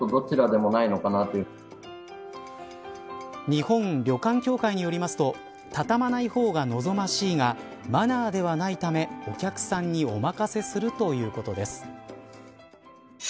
日本旅館協会によりますと畳まないほうが望ましいがマナーではないためお客さんにお任せするということです。